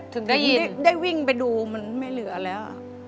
ถึงได้วิ่งไปดูมันไม่เหลือแล้ว